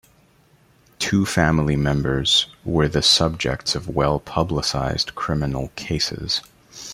Two family members were the subjects of well-publicized criminal cases.